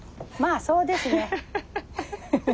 まあそうですね。